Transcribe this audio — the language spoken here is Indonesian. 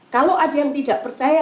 kalau ada yang tidak percaya